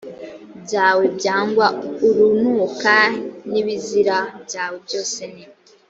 byawe byangwa urunuka n ibizira byawe byose ni